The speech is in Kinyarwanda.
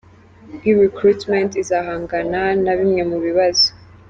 E-Recruitment izahangana na bimwe mu bibazo.